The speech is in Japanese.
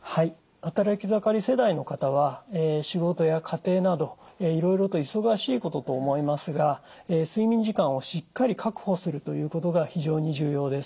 働き盛り世代の方は仕事や家庭などいろいろと忙しいことと思いますが睡眠時間をしっかり確保するということが非常に重要です。